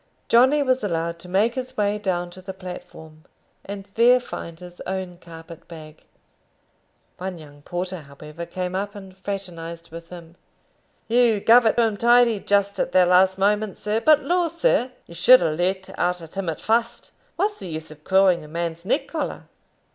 Johnny was allowed to make his way down to the platform, and there find his own carpet bag. One young porter, however, came up and fraternized with him. "You guve it him tidy just at that last moment, sir. But, laws, sir, you should have let out at him at fust. What's the use of clawing a man's neck collar?"